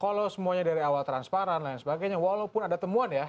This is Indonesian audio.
kalau semuanya dari awal transparan dan sebagainya walaupun ada temuan ya